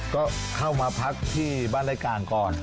ก็เข้ามาพักที่บ้านรายการก่อน